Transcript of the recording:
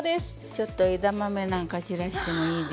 ちょっと枝豆なんか散らしてもいいでしょ？